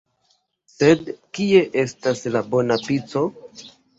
Sed kie estas la bona pico?